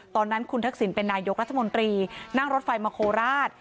ตอนนั้นคุณทักษิณเป็นนายกรัฐมนตรีนั่งรถไฟมาโคราช